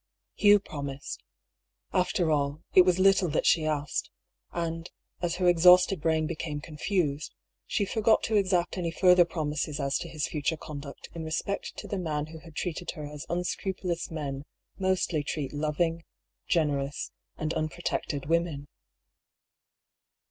Hugh promised. After all, it was little that she asked; and, as her exhausted brain became confused, she forgot to exact any further promises as to his future conduct in respect to the man who had treated her as unscrupulous men mostly treat loving, generous, and un protected women.